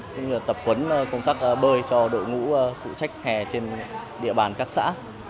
cũng như là tập huấn công tác bơi cho đội ngũ phụ trách hè trên địa bàn các xã